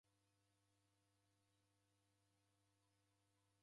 Daw'edeka diw'ose.